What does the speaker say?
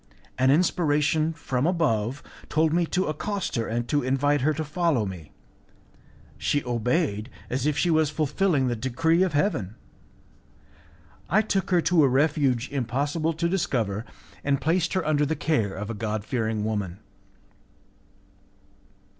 An inspiration from above told me to accost her and to invite her to follow me. She obeyed, as if she was fulfilling the decree of Heaven, I took her to a refuge impossible to discover, and placed her under the care of a God fearing woman."